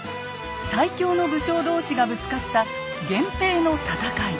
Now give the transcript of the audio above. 最強の武将同士がぶつかった源平の戦い。